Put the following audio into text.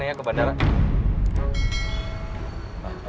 halo pa aku udah antar renenya ke bandara